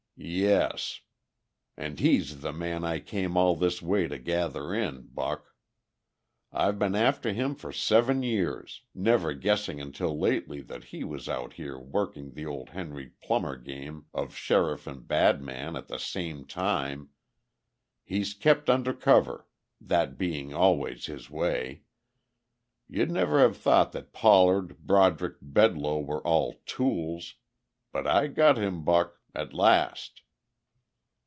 "Yes. And he's the man I came all this way to gather in, Buck. I've been after him for seven years, never guessing until lately that he was out here working the old Henry Plummer game of sheriff and badman at the same time. He's kept under cover, that being always his way; you'd never have thought that Pollard, Broderick, Bedloe were all tools.... But, I got him, Buck. At last."